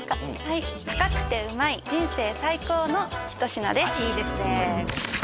はい高くてうまい人生最高の一品ですあっいいですねえ